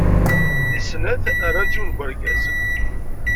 Deg snat rant yiwen n urgaz.